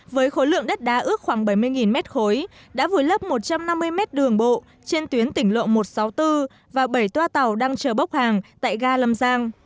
với khối lượng đất đá ước khoảng bảy mươi m ba đã vùi lấp một trăm năm mươi mét đường bộ trên tuyến tỉnh lộ một trăm sáu mươi bốn và bảy toa tàu đang chờ bốc hàng tại ga lâm giang